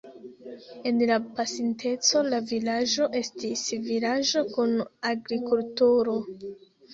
En la pasinteco la vilaĝo estis vilaĝo kun agrikulturo.